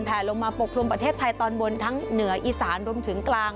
ลงมาปกครุมประเทศไทยตอนบนทั้งเหนืออีสานรวมถึงกลาง